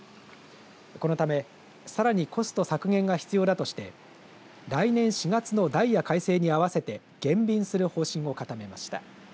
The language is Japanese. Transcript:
このため、さらにコスト削減が必要だとして来年４月のダイヤ改正に合わせて減便する方針を固めました。